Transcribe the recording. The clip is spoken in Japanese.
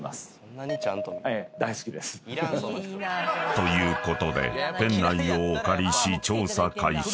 ［ということで店内をお借りし調査開始］